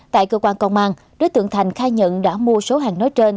tại cơ quan công an đối tượng thành khai nhận đã mua số hàng nói trên